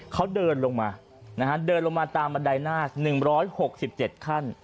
เขาเดินลงมาเดินลงมาตามบันไดหน้า๑๖๗ขั้น